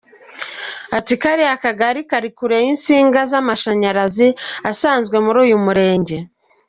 Ati « kariya kagali kari kure y’insinga z’amashanyarazi asanzwe muri uyu murenge.